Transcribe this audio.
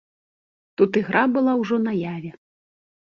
Тут ігра была ўжо наяве.